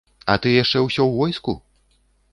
А ты яшчэ ўсё ў войску?